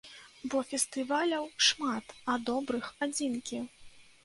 Бо фестываляў шмат, а добрых адзінкі.